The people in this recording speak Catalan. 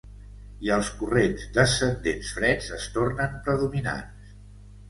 I els corrents descendents freds es tornen predominants.